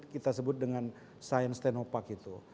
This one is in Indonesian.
kita sebut dengan science tenopark itu